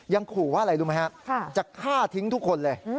ขู่ว่าอะไรรู้ไหมฮะจะฆ่าทิ้งทุกคนเลย